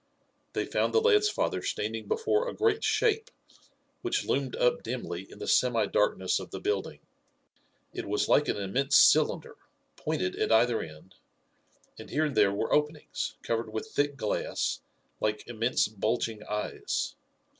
They found the lad's father standing before a great shape, which loomed up dimly in the semi darkness of the building. It was like an immense cylinder, pointed at either end, and here and there were openings, covered with thick glass, like immense, bulging eyes.